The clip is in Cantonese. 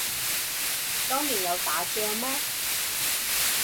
當年有打仗咩